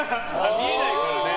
見えないからね。